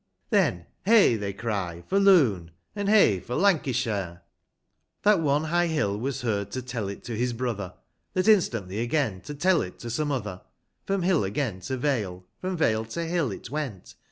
Then ' Hey ' tlir y cry ' for Lun,' and ' Hey for Lancashire ;' That one high Hill was heard to tell it to his brother, jst That instantly again to tell it to some otiier: From Hill again to Vale, from Vale to Hill it went.